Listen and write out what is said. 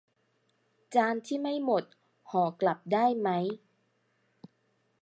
จานที่ไม่หมดห่อกลับได้ไหม